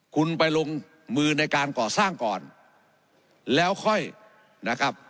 คุณไปลงมือในการก่อสร้างก่อนแล้วค่อยนะครับ